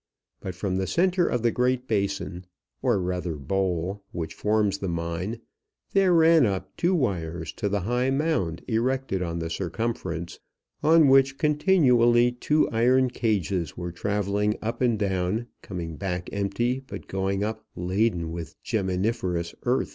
But from the centre of the great basin, or rather bowl, which forms the mine, there ran up two wires to the high mound erected on the circumference, on which continually two iron cages were travelling up and down, coming back empty, but going up laden with gemmiferous dirt.